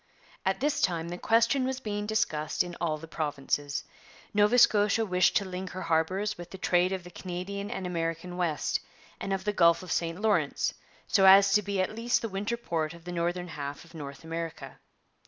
At this time the question was being discussed in all the provinces. Nova Scotia wished to link her harbours with the trade of the Canadian and American West and of the Gulf of St Lawrence, so as to be at least the winter port of the northern half of North America.